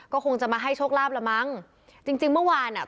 ก็คงจะมาให้โชคลาภละมั้งจริงจริงเมื่อวานอ่ะ